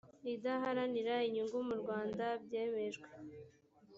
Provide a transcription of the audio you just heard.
idaharanira inyungu mu rwanda byemejwe